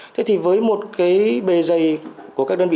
thế thì với một cái bề dày của các đơn vị